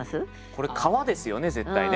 これ川ですよね絶対ね。